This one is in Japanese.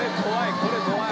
これ怖い！